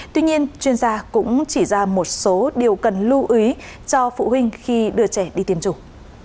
tuy nhiên chuyên gia cũng chỉ ra một số điều cần lưu ý cho phụ huynh khi đưa trẻ đi tiêm chủng